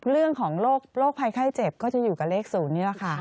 เรื่องของโรคภัยไข้เจ็บก็จะอยู่กับเลข๐นี่แหละค่ะ